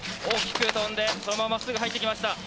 大きく飛んで、そのまままっすぐ入ってきました。